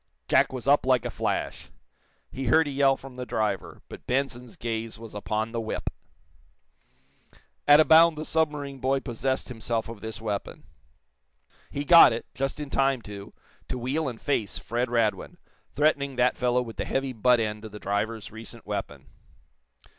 Jack was up like a flash. He heard a yell from the driver, but Benson's gaze was upon the whip. At a bound the submarine boy possessed himself of this weapon. He got it, just in time, too, to wheel and face Fred Radwin, threatening that fellow with the heavy butt end of the driver's recent weapon.